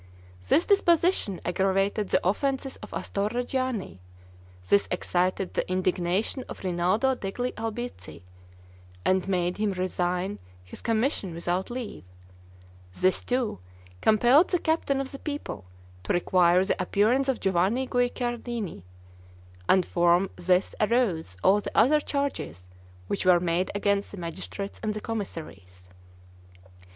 This disposition aggravated the offenses of Astorre Gianni; this excited the indignation of Rinaldo degli Albizzi, and made him resign his commission without leave; this, too, compelled the captain of the people to require the appearance of Giovanni Guicciardini, and from this arose all the other charges which were made against the magistrates and the commissaries.